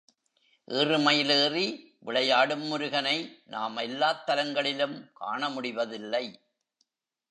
ஏறுமயில் ஏறி விளையாடும் முருகனை நாம் எல்லாத் தலங்களிலும் காண முடிவதில்லை.